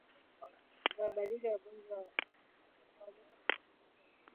kuwabadili wabunge watakaoleta mabadiliko